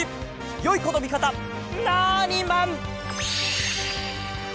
よいこのみかたナーニマン！